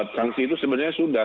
sangsi itu sebenarnya sudah